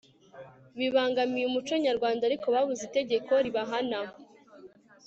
bibangamiye umuco nyarwanda ariko babuze itegeko ribahana